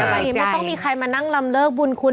ไม่ต้องมีใครมานั่งลำเลิกบุญคุณ